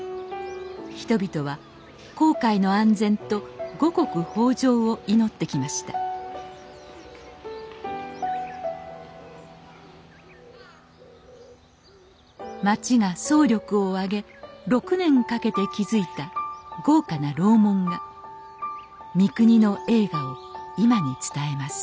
人々は航海の安全と五穀豊穣を祈ってきました町が総力を挙げ６年かけて築いた豪華な楼門が三国の栄華を今に伝えます